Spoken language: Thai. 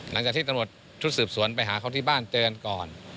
หลังจากที่ตำรวจชุดสืบสวนไปหาเขาที่บ้านเตือนก่อน